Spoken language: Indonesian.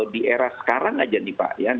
di era sekarang aja nih pak